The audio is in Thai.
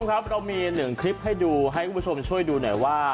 ครับเรามีหนึ่งคลิปให้ดูให้คุณผู้ชมช่วยดูหน่อยว่า